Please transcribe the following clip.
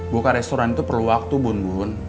buka restoran itu perlu waktu bun bun